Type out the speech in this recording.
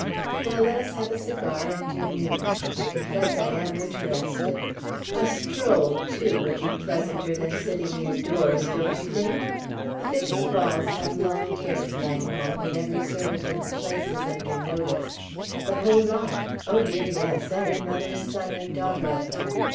"Well, let us have a cigar and your news. I confess I am interested. A stroll, too, would be pleasanter than sitting indoors, don't you think? The thickest walls have long ears, Langholm, when every servant in the place is under notice. The whole lot? Oh, dear, yes every mother's son and daughter of them.